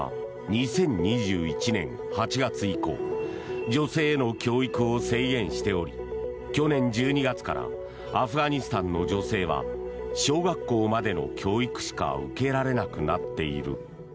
２０２１年８月以降女性への教育を制限しており去年１２月からアフガニスタンの女性は小学校までの教育しか受けられなくなっている。